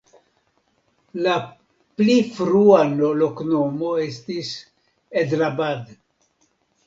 La pli frua loknomo estis "Edlabad".